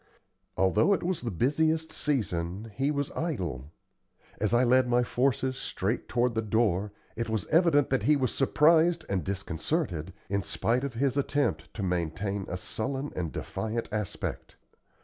Although it was the busiest season, he was idle. As I led my forces straight toward the door, it was evident that he was surprised and disconcerted, in spite of his attempt to maintain a sullen and defiant aspect.